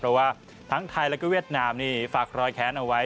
เพราะว่าทั้งไทยและเวียดนามฝากรอยแขนเอาไว้